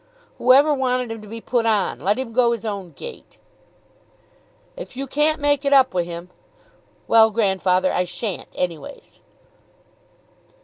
"Whoever wanted him to be put on? Let him go his own gait." "If you can't make it up wi' him " "Well, grandfather, I shan't anyways."